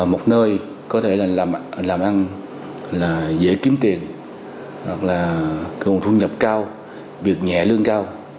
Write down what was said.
một nơi có thể là làm ăn dễ kiếm tiền hoặc là thu nhập cao việc nhẹ lương cao